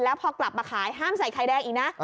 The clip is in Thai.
แล้วพอกลับมาขายห้ามใส่ไข่แดงอีกนะ